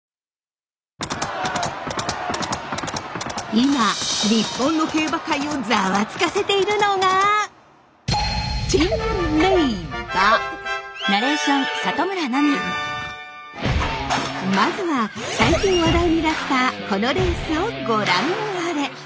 今日本の競馬界をザワつかせているのがまずは最近話題になったこのレースをご覧あれ！